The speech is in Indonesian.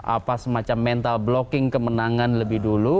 apa semacam mental blocking kemenangan lebih dulu